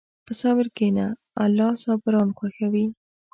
په صبر کښېنه، الله صابران خوښوي.